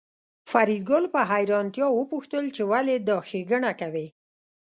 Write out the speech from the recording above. فریدګل په حیرانتیا وپوښتل چې ولې دا ښېګڼه کوې